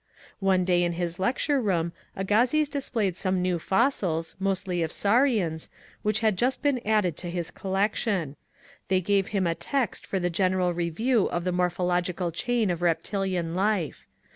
One day in his lecture room Agassiz displayed some new fossils, mainly of saurians, which had just been added to his collection. They gave him a text for a general review of the morphological chain of reptilian life.